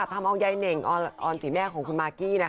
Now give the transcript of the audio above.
ทำให้ไยเหน่งออนเสียแม่ของคุณมากกี้นะค่ะ